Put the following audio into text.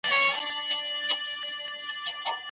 تاسي راسئ .